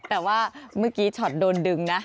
แต่ว่าเมื่อกี้ช็อตโดนดึงนะ